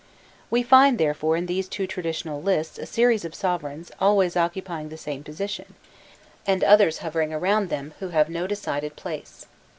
We find, therefore, in these two traditional lists a series of sovereigns always occupying the same position, and others hovering around them, who have no decided place.